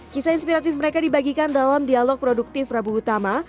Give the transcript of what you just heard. kisah inspiratif mereka dibagikan dalam dialog produktif rabu utama